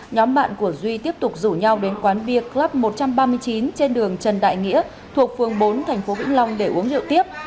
nhóm bạn của duy tiếp tục rủ nhau đến quán bia club một trăm ba mươi chín trên đường trần đại nghĩa thuộc phường bốn tp vĩnh long để uống rượu tiếp